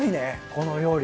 この料理。